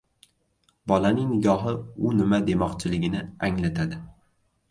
• Bolaning nigohi u nima demoqchiligini anglatadi.